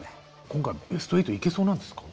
今回ベスト８行けそうなんですか？